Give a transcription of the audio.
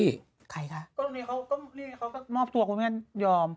ตอนนี้เขาคงไม่ได้มอบตัวให้เรื่องยอม